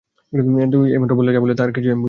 তুমি এইমাত্র যা বললে তার কিছুই আমি বুঝি না।